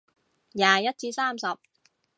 廿一至三十